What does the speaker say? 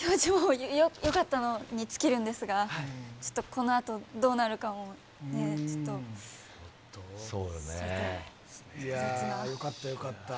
よかったのに尽きるんですが、ちょっとこのあと、どうなるかもいやぁ、よかった、よかった。